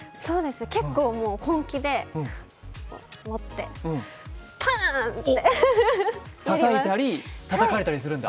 結構本気で、パーン！ってたたいたりたたかれたりするんだ。